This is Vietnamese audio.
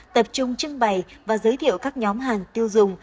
tập trung trưng bày và giới thiệu các nhóm hàng tiêu dùng